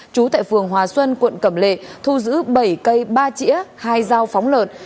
trú tại phường hòa xuân quận cẩm lệ thu giữ bảy cây ba chỉa hai dao phóng lợn